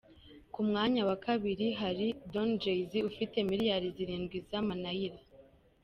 Ku mwanya wa kabiri hari Don Jazzy ufite miliyari zirindwi z’ama-Naira.